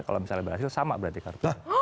kalau misalnya berhasil sama berarti kartu